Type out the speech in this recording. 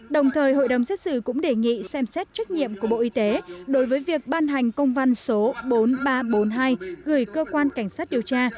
đồng thời hội đồng xét xử cũng đề nghị xem xét trách nhiệm của bộ y tế đối với việc ban hành công văn số bốn nghìn ba trăm bốn mươi hai gửi cơ quan cảnh sát điều tra